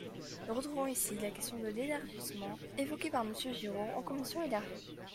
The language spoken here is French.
Nous retrouvons ici la question de l’élargissement, évoquée par Monsieur Giraud en commission élargie.